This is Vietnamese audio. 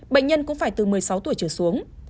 bệnh nhân cũng phải từ một mươi sáu tuổi trở xuống